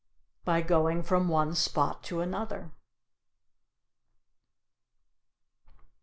By going from one spot to another.